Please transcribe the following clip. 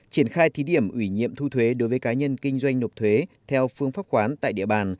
triển khai thí điểm ủy nhiệm thu thuế đối với cá nhân kinh doanh nộp thuế theo phương pháp khoán tại địa bàn